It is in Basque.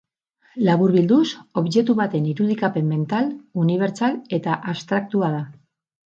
Laburbilduz, objektu baten irudikapen mental, unibertsal eta abstraktua da.